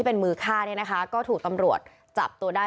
เป็นมือฆ่าเนี่ยนะคะก็ถูกตำรวจจับตัวได้